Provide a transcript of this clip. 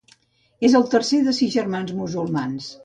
És el tercer de sis germans musulmans